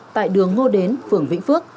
tại đường ngô đến phường vĩnh phước